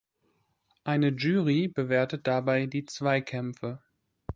Eine Jury bewertet dabei die Zweikämpfe.